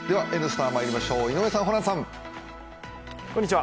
「Ｎスタ」まいりましょう井上さん、ホランさん。